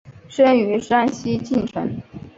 生于山西晋城。